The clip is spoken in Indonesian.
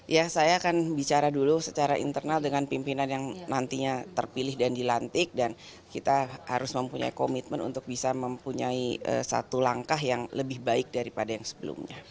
ya saya akan bicara dulu secara internal dengan pimpinan yang nantinya terpilih dan dilantik dan kita harus mempunyai komitmen untuk bisa mempunyai satu langkah yang lebih baik daripada yang sebelumnya